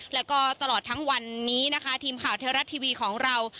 แล้วก็ตลอดทั้งวันนี้นะคะทีมข่าวเทวรัฐทีวีของเรา